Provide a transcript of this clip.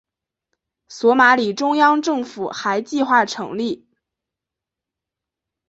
索马里中央政府还计划成立。